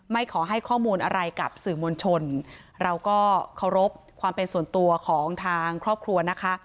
ขอให้ข้อมูลอะไรกับสื่อมวลชนเราก็เคารพความเป็นส่วนตัวของทางครอบครัวนะคะ